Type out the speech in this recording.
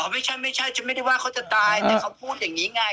ไม่ใช่ไม่ใช่ฉันไม่ได้ว่าเขาจะตายแต่เขาพูดอย่างนี้ไง